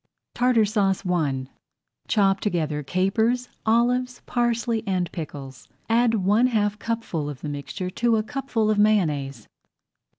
TARTAR SAUCE I Chop together capers, olives, parsley, and pickles. Add one half cupful of the mixture to a cupful of Mayonnaise.